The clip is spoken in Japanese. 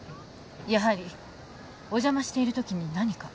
やはりお邪魔しているときに何か？